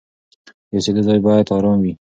د اوسېدو ځای باید آرام وي.